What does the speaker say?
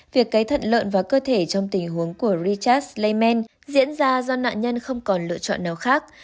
việc cấy thận lợn vào cơ thể trong tình huống của richard slayman diễn ra do nạn nhân không còn lựa chọn nào khác